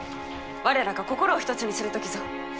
我らが心を一つにする時ぞ。